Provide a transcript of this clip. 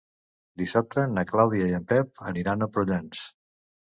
Dissabte na Clàudia i en Pep aniran a Prullans.